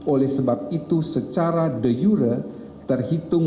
oleh sebab itu secara de jure terhitung